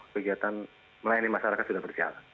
kegiatan melayani masyarakat sudah berjalan